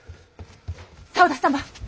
沢田様！